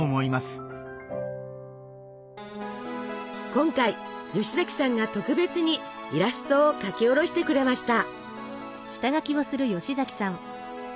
今回吉崎さんが特別にイラストを描き下ろしてくれました。